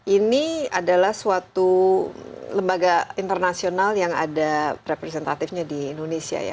ini adalah suatu lembaga internasional yang ada representatifnya di indonesia ya